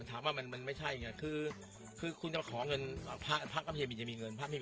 มันถามว่าไม่ใช่เพราะคุณเค้าขอเงินท่านป๊าป๊าก็ไม่ได้มาทำอะไร